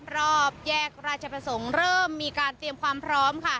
รอบแยกราชประสงค์เริ่มมีการเตรียมความพร้อมค่ะ